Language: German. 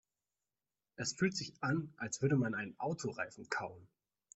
Es fühlt sich an, als würde man einen Autoreifen kauen.